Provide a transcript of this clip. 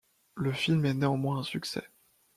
Le film est néanmoins un succès.